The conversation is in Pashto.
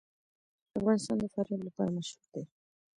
افغانستان د فاریاب لپاره مشهور دی.